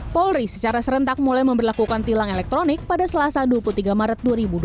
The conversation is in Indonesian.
polri secara serentak mulai memperlakukan tilang elektronik pada selasa dua puluh tiga maret dua ribu dua puluh